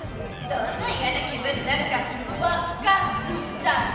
どんないやな気分になるか分かるだろ！